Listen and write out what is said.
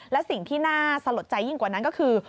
และสิ่งที่น่าสลดใจยิ่งกว่านั้นก็คือ